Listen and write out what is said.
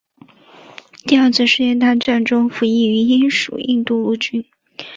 第二次世界大战中服役于英属印度陆军。